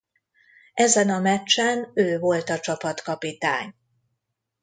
Ezen a meccsen ő volt a csapatkapitány.